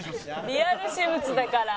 リアル私物だから。